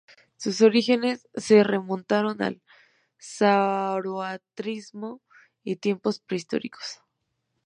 Sus orígenes se remontan al zoroastrismo y tiempos prehistóricos.